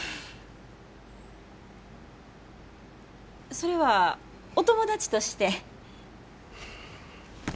それはお友達として？